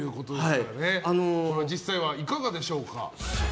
実際はいかがでしょうか？